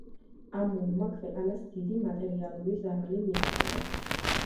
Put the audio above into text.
ამ ომმა ქვეყანას დიდი მატერიალური ზარალი მიაყენა.